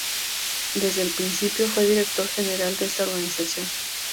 Desde el principio, fue director general de esta organización.